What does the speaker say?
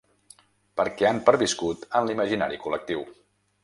Perquè han perviscut en l’imaginari col·lectiu.